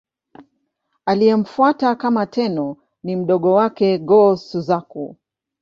Aliyemfuata kama Tenno ni mdogo wake, Go-Suzaku.